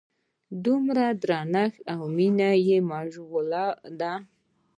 دومره درنښت او مینه یې مشغله ده.